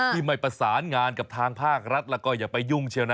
ไม่ประสานงานกับทางภาครัฐแล้วก็อย่าไปยุ่งเชียวนะ